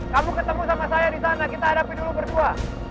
kamu ketemu sama saya di sana kita hadapi dulu berdua